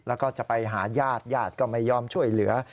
แล้วก็จะไปหาญาติญาติก็ไม่ยอมช่วยเหลือ